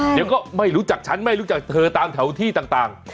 เดี๋ยวก็ไม่รู้จักฉันไม่รู้จักเธอตามแถวที่ต่าง